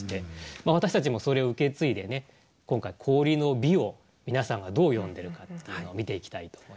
まあ私たちもそれを受け継いでね今回氷の美を皆さんがどう詠んでるかっていうのを見ていきたいと思います。